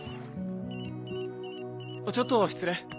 ちょっと失礼。